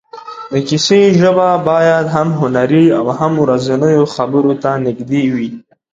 د کیسې ژبه باید هم هنري او هم ورځنیو خبرو ته نږدې وي.